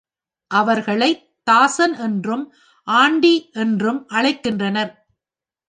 அவர்களைத் தாசன் என்றும் ஆண்டி என்றும் அழைக்கின்றனர்.